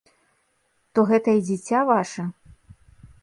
То гэта і дзіця ваша?